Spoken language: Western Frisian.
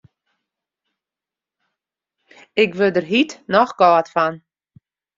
Ik wurd der hjit noch kâld fan.